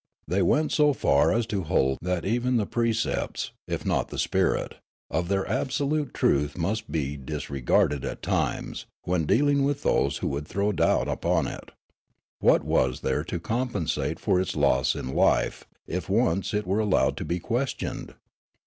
They went so far as to hold that even the precepts, if not the spirit, of their absolute truth must be disregarded at times, when dealing with those who would throw doubt upon it. What was there to compensate for its loss in life, if once it were allowed to be questioned?